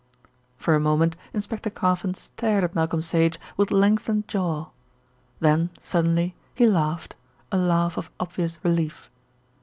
For a moment Inspector Carfon stared at Malcolm Sage with lengthened jaw. Then suddenly he laughed, a laugh of obvious relief.